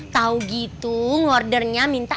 tau gitu ngordernya minta